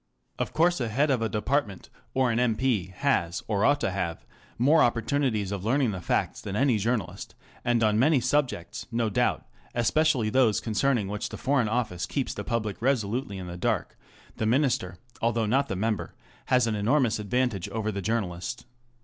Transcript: Of course a head of a department, or an M.P., has, or ought to have, more opportunities of learning the facts than any journalist; and on many subjects, no doubt, especially those concerning which the Foreign Office keeps the public resolutely in the dark, the Minister, although not the Member, has an enormous advantage over the journalist.